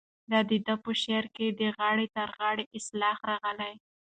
د ده په شعر کې د غاړې تر غاړې اصطلاح راغلې.